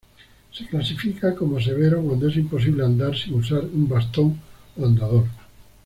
Se clasifica como severo cuando es imposible andar sin usar un bastón o andador.